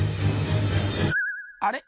あれ？